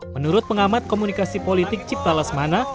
menurut pengamat komunikasi politik ciptalesmana